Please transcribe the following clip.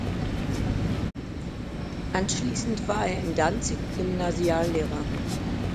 Anschließend war er in Danzig Gymnasiallehrer.